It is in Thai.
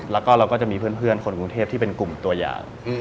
แล้วก็เราก็จะมีเพื่อนคนกรุงเทพที่เป็นกลุ่มตัวอย่าง